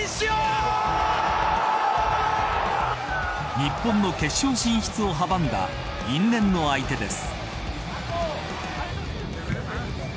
日本の決勝進出を阻んだ因縁の相手です。